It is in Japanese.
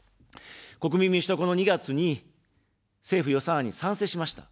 国民民主党は、この２月に政府予算案に賛成しました。